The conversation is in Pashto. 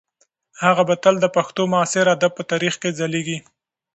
هغه به تل د پښتو د معاصر ادب په تاریخ کې ځلیږي.